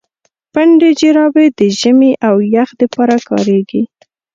پنډي جراپي د ژمي او يخ د پاره کاريږي.